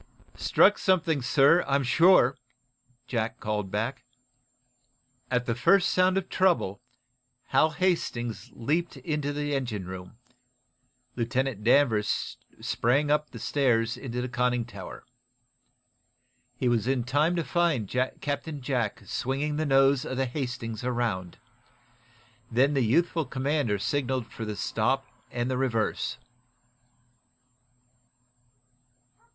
"Struck something, sir, I'm sure," Jack called back. At the first sound of trouble, Hal Hastings leaped into the engine room. Lieutenant Danvers sprang up the stairs into the conning tower. He was in time to find Captain Jack swinging the nose of the "Hastings" around. Then the youthful commander signaled for the stop and the reverse.